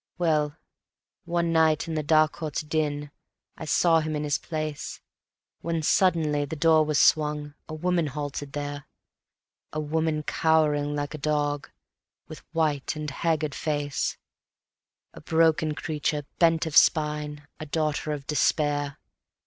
Well, one night in the D'Harcourt's din I saw him in his place, When suddenly the door was swung, a woman halted there; A woman cowering like a dog, with white and haggard face, A broken creature, bent of spine, a daughter of Despair.